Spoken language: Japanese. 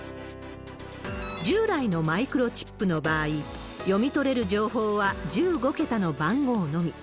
従来のマイクロチップの場合、読み取れる情報は１５桁の番号のみ。